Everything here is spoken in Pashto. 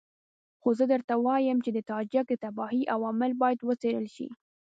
خو زه درته وایم چې د تاجک د تباهۍ عوامل باید وڅېړل شي.